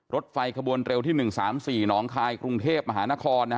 รถไฟขบวนเร็วที่๑๓๔หนองคายกรุงเทพมหานคร